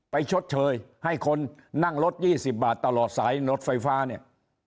ชดเชยให้คนนั่งรถ๒๐บาทตลอดสายรถไฟฟ้าเนี่ย